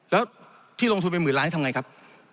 แล้วที่ลงทุนไปหมื่นล้านทำไงครับ